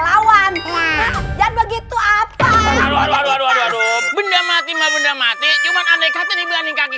lawan dan begitu apa aduh aduh aduh aduh benda mati ma benda mati cuma aneh katanya berani kaki